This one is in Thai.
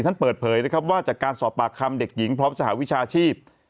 เปิดเผยนะครับว่าจากการสอบปากคำเด็กหญิงพร้อมสหวิชาชีพ